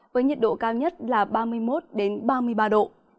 với nhiệt độ cao nhất là ba mươi một ba mươi ba độ